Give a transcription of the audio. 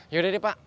yaudah deh pak